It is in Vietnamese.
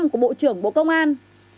một trăm linh năm của bộ trưởng bộ công an